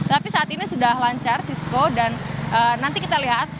tapi saat ini sudah lancar sisko dan nanti kita lihat